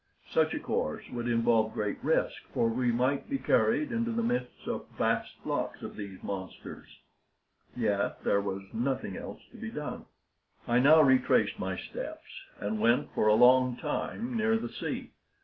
Such a course would involve great risk for we might be carried into the midst of vast flocks of these monsters; yet there was nothing else to be done. I now retraced my steps, and went for a long time near the sea.